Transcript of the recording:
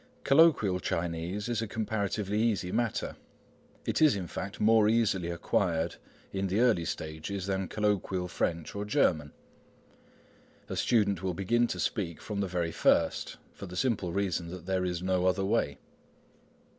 Colloquial Chinese is a comparatively easy matter. It is, in fact, more easily acquired in the early stages than colloquial French or German. A student will begin to speak from the very first, for the simple reason that there is no other way.